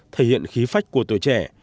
thể hiện khí phách của tuổi trẻ